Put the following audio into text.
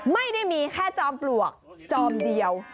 ไม่ได้มีแค่จอมปลวกจอมเดียว